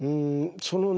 そのね